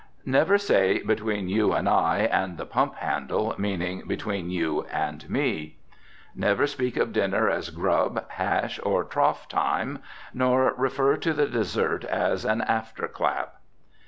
Never say "Between you and I and the pump handle," meaning "Between you and me." Never speak of dinner as "grub," "hash" or "trough time," nor refer to the dessert as "an after clap."